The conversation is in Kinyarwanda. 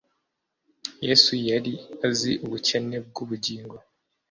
Yesu yari azi ubukene bw'ubugingo.